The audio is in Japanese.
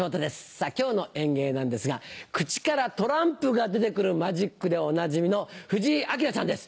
さぁ今日の演芸なんですが口からトランプが出て来るマジックでおなじみのふじいあきらさんです。